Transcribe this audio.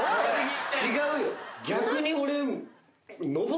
違うよ！